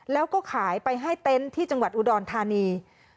แล้วก็ขายไปให้เต็นต์ที่จังหวัดอุดรธานี